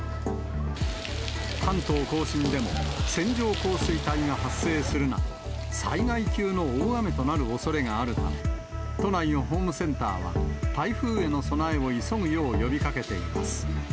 関東甲信でも、線状降水帯が発生するなど、災害級の大雨となるおそれがあるため、都内のホームセンターは、台風への備えを急ぐよう呼びかけています。